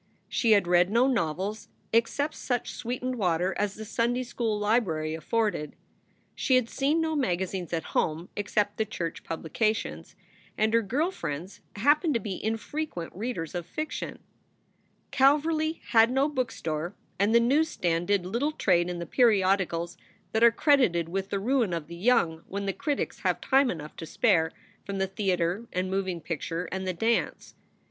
She had read no novels except such sweetened water as the Sunday school library afforded. She had seen no maga zines at home except the church publications; and her girl friends happened to be infrequent readers of fiction. Calverly had no bookstore and the news stands did little trade in the periodicals that are credited with the ruin of the young when the critics have time enough to spare from the theater and moving picture and the dance.